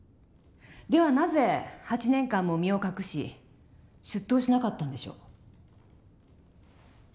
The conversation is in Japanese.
ではなぜ８年間も身を隠し出頭しなかったんでしょう？